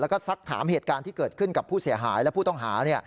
แล้วก็สักถามเหตุการณ์ที่เกิดขึ้นกับผู้เสียหายและผู้ต้องหา